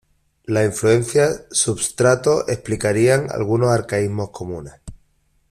La influencia substrato explicarían algunos arcaísmos comunes.